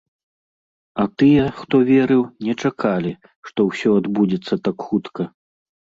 А тыя, хто верыў, не чакалі, што ўсё адбудзецца так хутка.